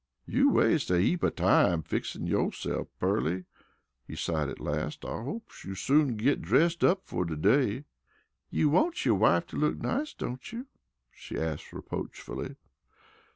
"You wastes a heap of time fixin' yo'se'f, Pearly," he sighed at last. "I hopes you'll soon git dressed up fer de day." "You wants yo' wife to look nice, don't you?" she asked reproachfully.